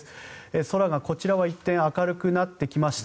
空がこちらは一転明るくなってきました。